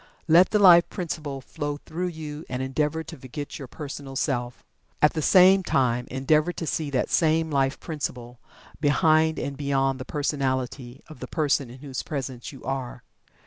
Let the Life Principle flow through you, and endeavor to forget your personal self. At the same time, endeavor to see that same Life Principle, behind and beyond the personality of the person in whose presence you are.